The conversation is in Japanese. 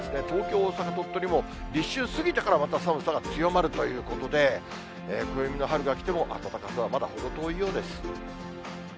東京、大阪、鳥取も立春過ぎてからまた、寒さが強まるということで、暦の春が来ても、暖かさはまだ程遠いようです。